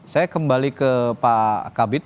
saya kembali ke pak kabit